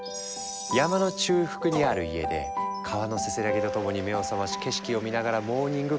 山の中腹にある家で川のせせらぎとともに目を覚まし景色を見ながらモーニングコーヒー。